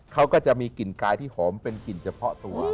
เขาก็จะมีกลิ่นกายที่หอมเป็นกลิ่นเฉพาะตัว